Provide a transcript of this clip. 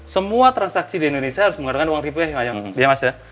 semua transaksi di indonesia harus menggunakan uang tipenya ya mas ya